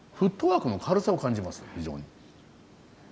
非常に。